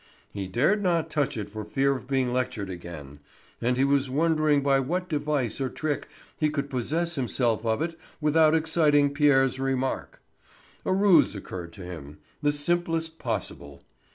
He dared not touch it for fear of being lectured again, and he was wondering by what device or trick he could possess himself of it without exciting Pierre's remark. A ruse occurred to him, the simplest possible.